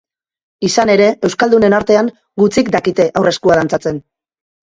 Izan ere, euskaldunen artean, gutxik dakite aurreskua dantzatzen.